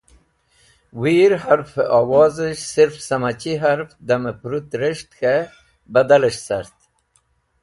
Wir harfẽ owozẽs̃h sirf sẽmachi harf damẽ pẽrũt res̃h k̃hẽ badals̃h cart